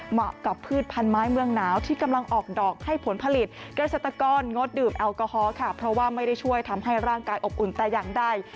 เหมาะกับพืชพันไม้เมืองหนาวที่กำลังออกดอกให้ผลผลิตเกษตรกรงดดื่มแอลกอฮอล์ค่ะเพราะว่าไม่ได้ช่วยทำให้ร่างกายอบอุ่นแต่อย่างใด